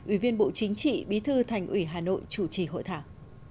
ủy viên bộ chính trị bí thư thành ủy hà nội chủ trì hội thảo